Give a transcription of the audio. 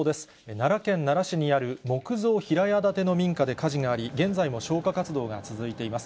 奈良県奈良市にある木造平屋建ての民家で火事があり、現在も消火活動が続いています。